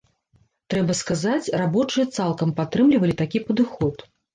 Трэба сказаць, рабочыя цалкам падтрымлівалі такі падыход.